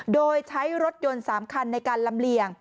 โดยใช้รถยนต์๓คันในการลำเลียง